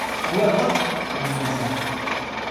En haut à droite, le millésime.